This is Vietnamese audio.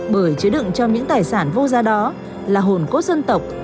bởi chứa đựng trong những tài sản vô gia đó là hồn cốt dân tộc